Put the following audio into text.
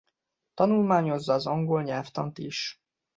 Tanulmányozza az angol nyelvtant is.